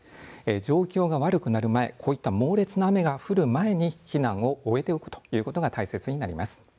状況が悪くなる前こういった猛烈な雨が降る前に避難を終えておくということが大切になります。